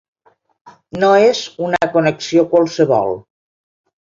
No és una connexió qualsevol.